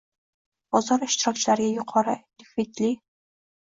bozor ishtirokchilariga yuqori likvidli